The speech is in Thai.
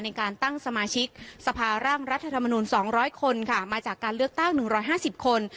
ในการตั้งสมาชิกสภาร่างรัฐธรรมนุนสองร้อยคนค่ะมาจากการเลือกตั้งหนึ่งร้อยห้าสิบคน